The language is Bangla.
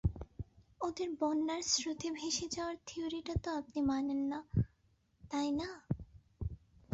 ওদের বন্যার স্রোতে ভেসে যাওয়ার থিওরিটা তো আপনি মানেন না, তাই না?